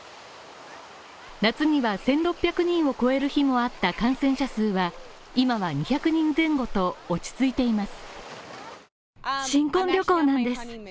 夏には１６００人を超える日もあった感染者数は、今は２００人前後と落ち着いています。